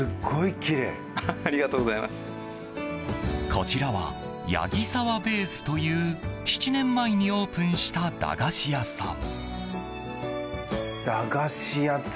こちらはヤギサワベースという７年前にオープンした駄菓子屋さん。